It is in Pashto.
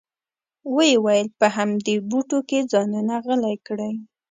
وې ویل په همدې بوټو کې ځانونه غلي کړئ.